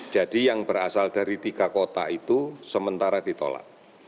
jadi yang berasal dari tiga kota itu sementara ditolak